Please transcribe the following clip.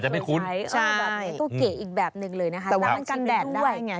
ไม่เคยใช้ต้องเก๋อีกแบบหนึ่งเลยนะคะล้างกันแดดได้อย่างนี้